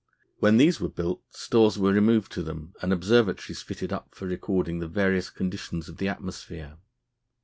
When these were built, stores were removed to them and observatories fitted up for recording the various conditions of the atmosphere.